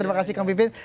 terima kasih kang pipin